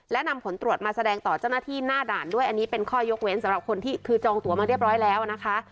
และนำผลตรวจมาแสดงต่อเจ้าหน้าที่หน้าด่านด้วยอันนี้เป็นข้อยกเว้นสำหรับคนที่คือจองตัวมาเรียบร้อยแล้วนะคะ